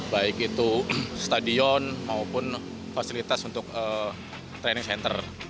yaitu stadion maupun fasilitas untuk training center